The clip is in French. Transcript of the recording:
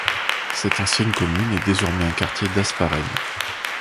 Cette ancienne commune est désormais un quartier d'Hasparren.